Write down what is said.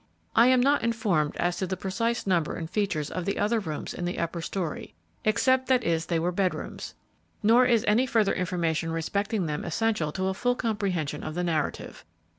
I am not informed as to the precise number and features of the other rooms in the upper story, except that is they were bedrooms; nor is any further information respecting them essential to a full comprehension of the narrative.